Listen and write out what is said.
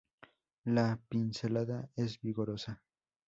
La pincelada es vigorosa.